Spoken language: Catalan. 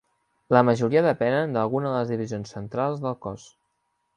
La majoria depenen d'alguna de les Divisions centrals del cos.